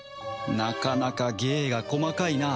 なかなか芸が細かいな